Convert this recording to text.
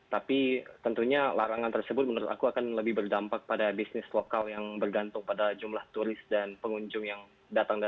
tapi tentunya larangan tersebut menurut aku akan lebih berdampak pada bisnis lokal yang bergantung pada jumlah turis dan pengunjung yang datang